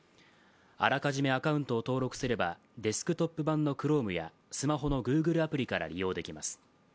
あらかじめアカウントを登録すれば、デスクトップ版のクロームやスマホのグーグルアプリから利用できます。